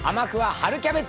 春キャベツ」